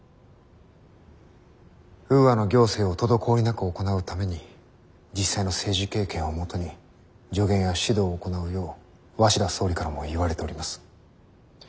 ウーアの行政を滞りなく行うために実際の政治経験をもとに助言や指導を行うよう鷲田総理からも言われております。